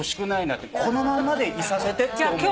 このまんまでいさせてって思う。